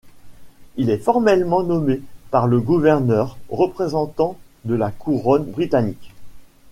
Il est formellement nommé par le gouverneur, représentant de la Couronne britannique.